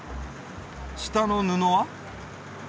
下の布は？